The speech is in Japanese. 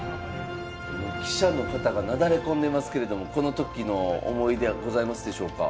記者の方がなだれ込んでますけれどもこの時の思い出はございますでしょうか？